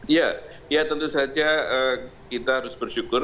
iya tentu saja kita harus bersyukur